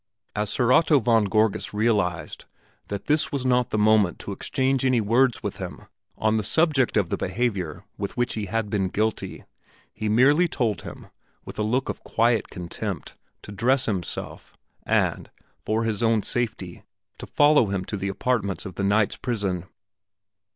As Sir Otto von Gorgas realized that this was not the moment to exchange any words with him on the subject of the behavior of which he had been guilty, he merely told him, with a look of quiet contempt, to dress himself, and, for his own safety, to follow him to the apartments of the knight's prison.